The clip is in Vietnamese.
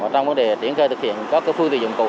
trong vấn đề triển khai thực hiện các phương tiện dụng cụ